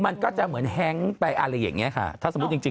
มันเป็นเหตุการณ์เกิดไปไหนหรอ